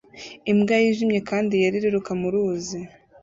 Imbwa yijimye kandi yera iriruka mu ruzi